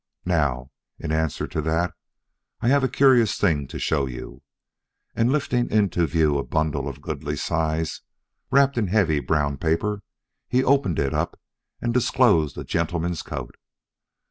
Now, in answer to that, I have a curious thing to show you." And lifting into view a bundle of goodly size, wrapped in heavy brown paper, he opened it up and disclosed a gentleman's coat.